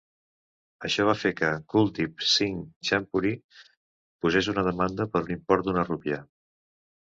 Això va fer que Kuldip Singh Chandpuri posés una demanda per un import d'una rupia.